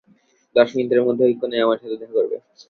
দশ মিনিটের মধ্যে ঐ কোণায় আমার সাথে দেখা করবে।